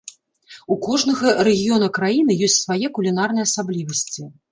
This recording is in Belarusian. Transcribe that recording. У кожнага рэгіёна краіны ёсць свае кулінарныя асаблівасці.